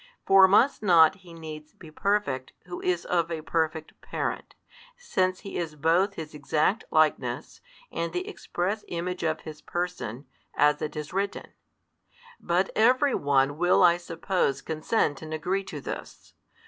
For must not He needs be Perfect Who is of a Perfect Parent, since He is both His exact Likeness, and the express Image of His Person, as it is written? But every one will I suppose consent and agree to this.